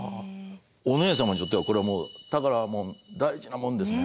お姉様にとってはこれもう宝物大事なもんですね。